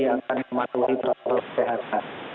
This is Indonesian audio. yang akan mematuhi protokol kesehatan